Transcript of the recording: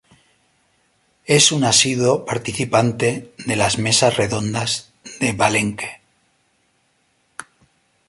Es un asiduo participante de las Mesas Redondas de Palenque.